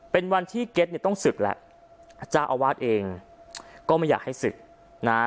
เป็นวันที่เก็ตเนี่ยต้องศึกแล้วเจ้าอาวาสเองก็ไม่อยากให้ศึกนะฮะ